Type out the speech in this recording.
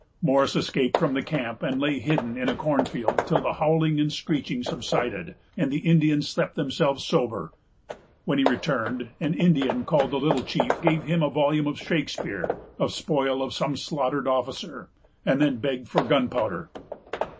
Morris escaped from the camp, and lay hidden in a cornfield till the howling and screeching subsided, and the Indians slept themselves sober. When he returned, an Indian, called the Little Chief, gave him a volume of Shakespeare,——the spoil of some slaughtered officer,——and then begged for gunpowder.